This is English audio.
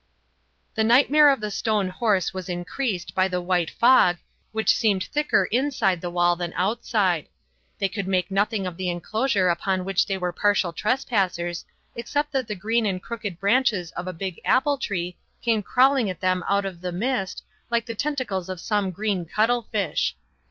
The nightmare of the stone horse was increased by the white fog, which seemed thicker inside the wall than outside. They could make nothing of the enclosure upon which they were partial trespassers, except that the green and crooked branches of a big apple tree came crawling at them out of the mist, like the tentacles of some green cuttlefish.